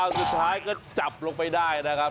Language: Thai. สุดท้ายก็จับลงไปได้นะครับ